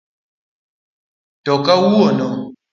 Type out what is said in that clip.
To kawuono?